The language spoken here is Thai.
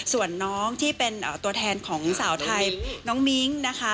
ส่วนน้องที่เป็นตัวแทนของสาวไทยน้องมิ้งนะคะ